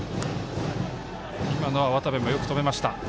渡部もよく止めました。